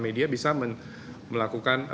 media bisa melakukan